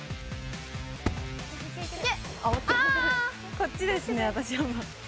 こっちですね私は。